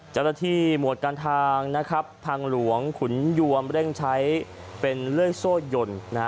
เจ้าหน้าที่หมวดการทางนะครับทางหลวงขุนยวมเร่งใช้เป็นเลื่อยโซ่ยนนะฮะ